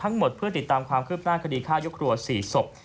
ทั้งหมดเพื่อติดตามความคืบหน้าคดีฆ่ายกครัว๔ศพ